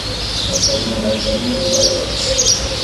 Mas vai demorar menos de dez horas.